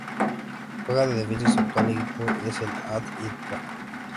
Juega de defensa y su actual equipo es el Al-Ittihad.